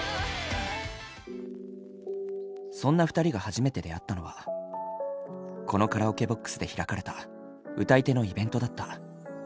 そんな２人が初めて出会ったのはこのカラオケボックスで開かれた歌い手のイベントだった。